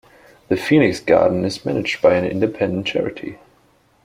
The Phoenix Garden is managed by an independent charity.